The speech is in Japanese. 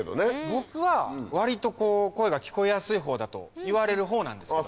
僕は割と声が聞こえやすい方だと言われる方なんですけど。